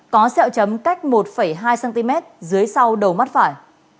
có xeo chấm cách một hai cm dưới sau đầu mắt phải